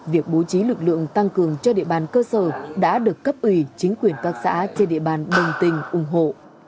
việc bố trí lực lượng tăng cường cho địa bàn cơ sở đã được cấp ủy chính quyền các xã trên địa bàn đồng tình ủng hộ